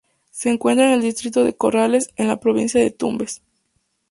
Se encuentra en el distrito de Corrales, en la provincia de Tumbes.